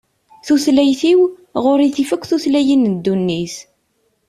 Tutlayt-iw, ɣur-i tif akk tutlayin n ddunit.